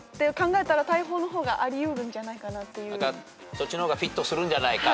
そっちの方がフィットするんじゃないかと。